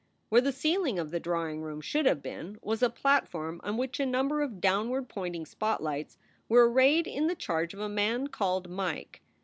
Where the ceiling of the drawing room should have been was a platform on which a number of downward pointing spotlights were arrayed in the charge of a man called "Mike."